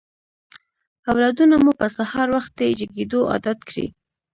اولادونه مو په سهار وختي جګېدو عادت کړئ.